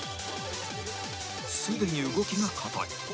すでに動きが硬い